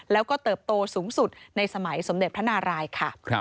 แล้วก็เติบโตสูงสุดในสมัยสมเด็จพระนารายค่ะ